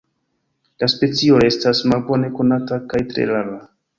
La specio restas malbone konata kaj tre rara.